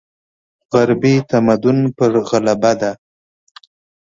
غربي تمدن پر غلبه ده.